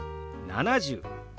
７０。